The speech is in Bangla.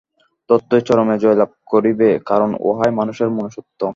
তত্ত্বই চরমে জয়লাভ করিবে, কারণ উহাই মানুষের মনুষ্যত্ব।